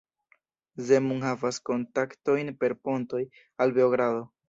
Zemun havas kontaktojn per pontoj al Beogrado.